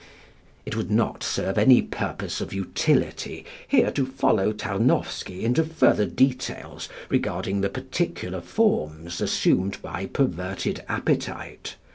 It would not serve any purpose of utility here to follow Tarnowsky into further details regarding the particular forms assumed by perverted appetite.